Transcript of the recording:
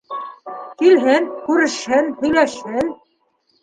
Килһен, күрешһен, һөйләшһен.